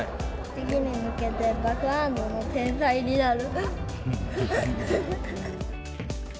次に向けて、バックハンドの天才になる。